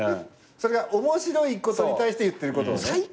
それが面白いことに対して言ってることをね。